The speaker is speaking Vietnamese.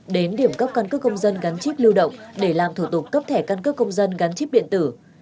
đến điểm cấp căn cước công dân gắn chip lưu động để làm thủ tục cấp thẻ căn cước công dân gắn chip điện tử